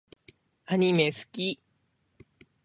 アニメ好き